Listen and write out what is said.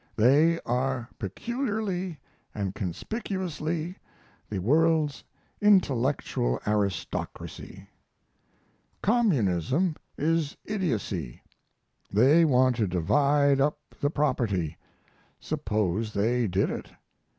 "They are peculiarly and conspicuously the world's intellectual aristocracy." "Communism is idiocy. They want to divide up the property. Suppose they did it.